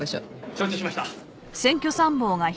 承知しました。